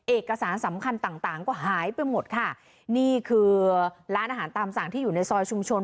เอกสารสำคัญต่างต่างก็หายไปหมดค่ะนี่คือร้านอาหารตามสั่งที่อยู่ในซอยชุมชน